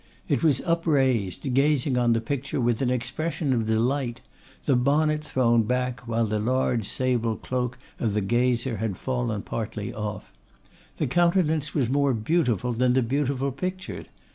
It was upraised, gazing on the picture with an expression of delight; the bonnet thrown back, while the large sable cloak of the gazer had fallen partly off. The countenance was more beautiful than the beautiful picture.